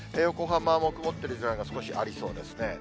横浜も曇ってる時間が少しありそうですね。